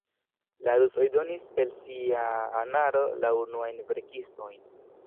La rusoj donis el sia anaro la unuajn verkistojn.